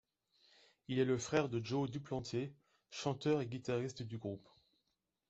Il est le frère de Joe Duplantier, chanteur et guitariste du groupe.